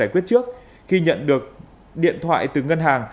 hứa trước khi nhận được điện thoại từ ngân hàng